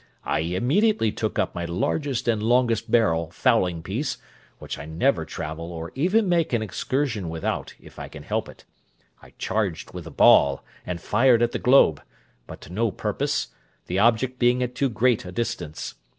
I immediately took up my largest and longest barrel fowling piece, which I never travel or make even an excursion without, if I can help it; I charged with a ball, and fired at the globe, but to no purpose, the object being at too great a distance.